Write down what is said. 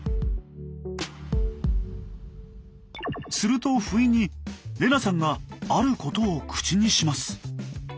すると不意に玲那さんがあることを口にします。